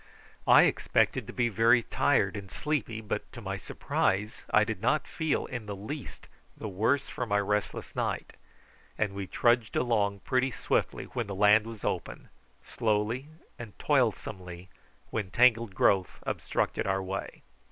I expected to be very tired and sleepy, but to my surprise I did not feel in the least the worse for my restless night, and we trudged along pretty swiftly when the land was open, slowly and toilsomely when tangled growth obstructed our way.